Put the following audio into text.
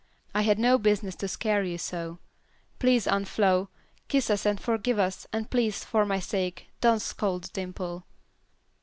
I had no business to scare you so. Please, Aunt Flo, kiss us and forgive us, and please, for my sake, don't scold Dimple."